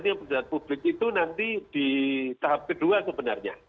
artinya pejabat publik itu nanti di tahap kedua sebenarnya